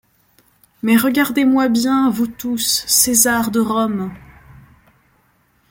Mais regardez-moi bien, vous tous, césars de Rome